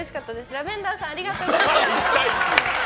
ラベンダーさんありがとうございます！